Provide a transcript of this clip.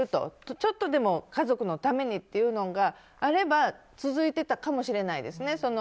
ちょっとでも家族のためにというのがあれば続いてたかもしれないですね。